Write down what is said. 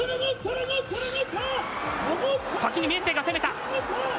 先に明生が攻めた。